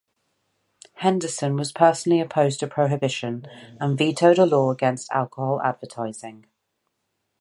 Henderson was personally opposed to prohibition, and vetoed a law against alcohol advertising.